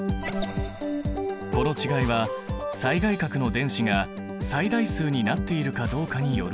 この違いは最外殻の電子が最大数になっているかどうかによるもの。